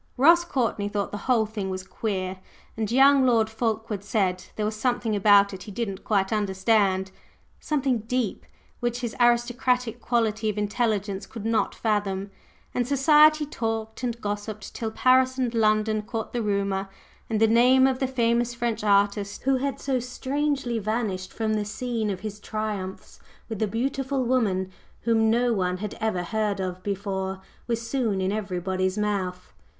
Ross Courtney thought the whole thing was "queer;" and young Lord Fulkeward said there was something about it he didn't quite understand, something "deep," which his aristocratic quality of intelligence could not fathom. And society talked and gossiped till Paris and London caught the rumor, and the name of the famous French artist, who had so strangely vanished from the scene of his triumphs with a beautiful woman whom no one had ever heard of before, was soon in everybody's mouth.